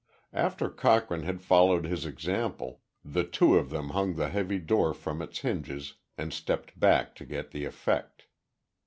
After Cochrane had followed his example, the two of them hung the heavy door from its hinges and stepped back to get the effect.